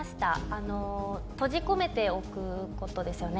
あの閉じ込めておくことですよね